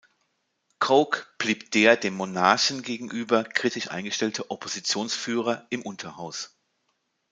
Coke blieb der dem Monarchen gegenüber kritisch eingestellte „Oppositionsführer“ im Unterhaus.